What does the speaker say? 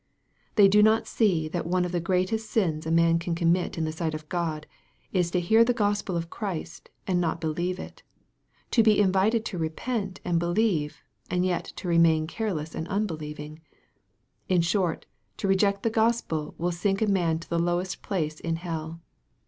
They do not see that one of the greatest sins a man can commit in the sight of God, is to hear the Gospel of Christ and not belive it to be invited to repent and believe, and yet to remain careless and unbelieving. In short to reject the Gospel will sink a man to the lowest place in hell.